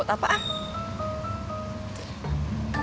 buat apa ah